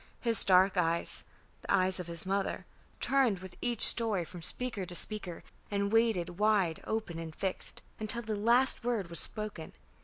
His dark eyes the eyes of his mother turned with each story from speaker to speaker, and waited, wide open and fixed, until the last word was spoken.